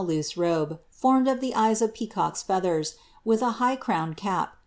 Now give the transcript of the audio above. loose robe, formed of ihe eyes of peacock's feathers, wiih a I rap.